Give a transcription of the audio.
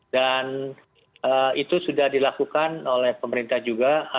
dan itu sudah dilakukan oleh pemerintah juga